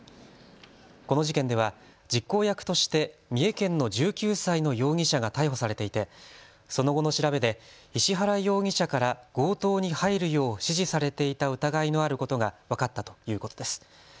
この事件では実行役として三重県の１９歳の容疑者が逮捕されていて、その後の調べで石原容疑者から強盗に入るよう指示されていた疑いのあることが分かったということです。